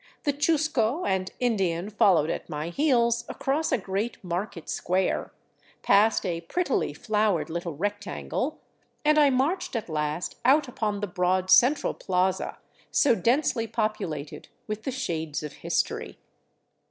The chusco and Indian fol lowed at my heels across a great market square, past a prettily flowered little rectangle, and I marched at last out upon the broad central plaza, so densely populated with the shades of history.